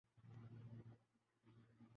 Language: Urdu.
مجھے اس سے کوئی فرق نہیں پڑتا۔